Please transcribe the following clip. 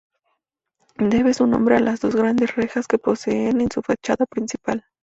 Debe su nombre a las dos grandes rejas que posee en su fachada principal.